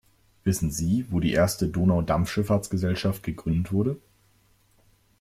Wissen Sie, wo die erste Donaudampfschifffahrtsgesellschaft gegründet wurde?